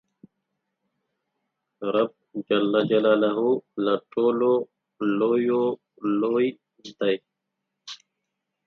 رب له ټولو لویو لوی دئ.